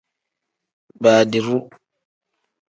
Baadiru.